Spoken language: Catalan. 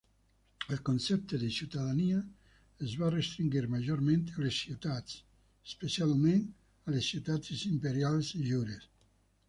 El concepte de ciutadania es va restringir majorment a les ciutats, especialment a les ciutats imperials lliures.